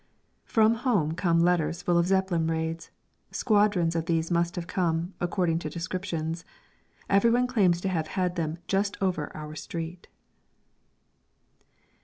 From home come letters full of Zeppelin raids. Squadrons of these must have come, according to descriptions. Everyone claims to have had them "just over our street."